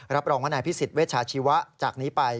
รับรองว่านายพิสิทธิเวชาชีวะจากนี้ไป